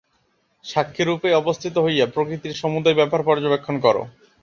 সাক্ষিরূপে অবস্থিত হইয়া প্রকৃতির সমুদয় ব্যাপার পর্যবেক্ষণ কর।